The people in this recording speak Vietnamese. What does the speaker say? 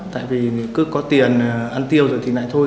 tại vì cứ có tiền ăn tiêu rồi thì lại thôi